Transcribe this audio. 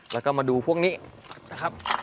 แล้วก็มาดูพวกนี้นะครับ